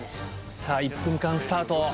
さあ、１分間スタート。